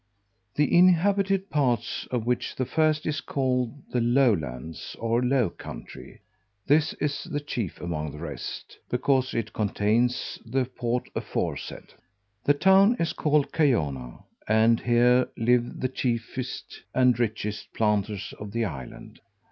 The inhabited parts, of which the first is called the Low Lands, or Low Country: this is the chief among the rest, because it contains the port aforesaid. The town is called Cayona, and here live the chiefest and richest planters of the island.